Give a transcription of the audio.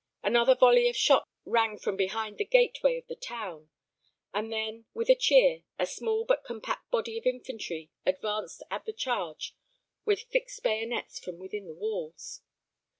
Another volley of shot rang from behind the gateway of the town; and then, with a cheer, a small but compact body of infantry advanced at the charge with fixed bayonets from within the walls.